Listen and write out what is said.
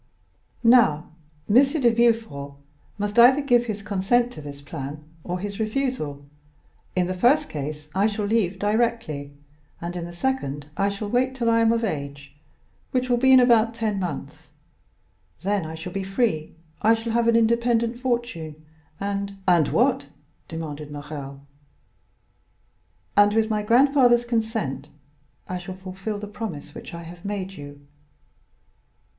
Now, M. de Villefort must either give his consent to this plan or his refusal; in the first case, I shall leave directly, and in the second, I shall wait till I am of age, which will be in about ten months. Then I shall be free, I shall have an independent fortune, and"— "And what?" demanded Morrel. "And with my grandfather's consent I shall fulfil the promise which I have made you."